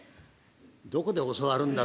「どこで教わるんだ！？